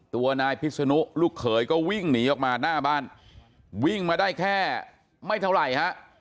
ตัวนายพิศนุลูกเขยก็วิ่งหนีออกมาหน้าบ้านวิ่งมาได้แค่ไม่เท่าไหร่ฮะ